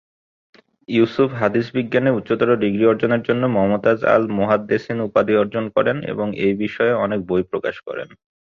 ইউসুফ হাদীস বিজ্ঞানে উচ্চতর ডিগ্রি অর্জনের জন্য "মমতাজ আল-মুহাদ্দেসিন" উপাধি অর্জন করেন এবং এ বিষয়ে অনেক বই প্রকাশ করেন।